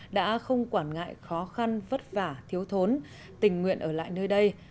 đã không quản ngại khó khăn vất vả thiếu thốn tình nguyện ở lại nơi đây